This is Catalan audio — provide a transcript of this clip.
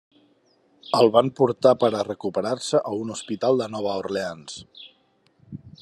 El van portar per a recuperar-se a un hospital de Nova Orleans.